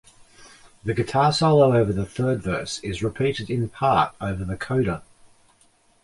The guitar solo over the third verse is repeated in part over the coda.